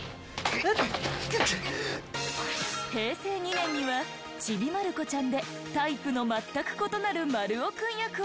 平成２年には『ちびまる子ちゃん』でタイプの全く異なる丸尾君役を演じる。